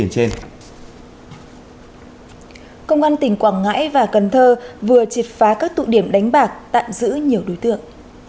công an tỉnh quảng ngãi và cần thơ vừa triệt phá các tụ điểm đánh bạc tạm giữ nhiều đối tượng